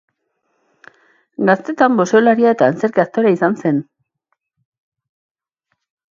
Gaztetan, boxeolaria eta antzerki-aktorea izan zen.